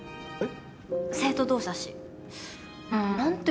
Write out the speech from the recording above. えっ？